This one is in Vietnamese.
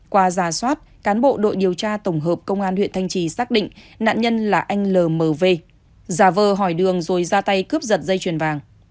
qua giả soát cán bộ đội điều tra tổng hợp công an huyện thanh trì xác định nạn nhân là anh lmv giả vờ hỏi đường rồi ra tay cướp giật dây chuyền vàng